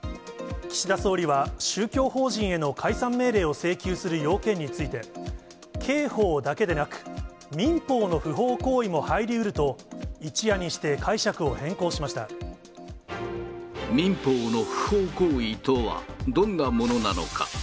岸田総理は、宗教法人への解散命令を請求する要件について、刑法だけでなく、民法の不法行為も入りうると、民法の不法行為とは、どんなものなのか。